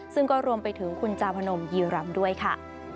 ซึ่งก็รวมไปถึงคุณจาพนมยีรำด้วยค่ะ